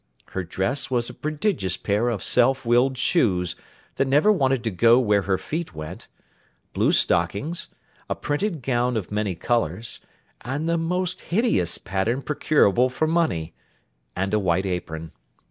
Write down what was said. Her dress was a prodigious pair of self willed shoes, that never wanted to go where her feet went; blue stockings; a printed gown of many colours, and the most hideous pattern procurable for money; and a white apron.